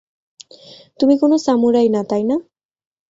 তুমি কোনো সামুরাই না, তাই না?